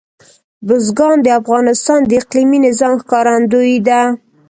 بزګان د افغانستان د اقلیمي نظام ښکارندوی ده.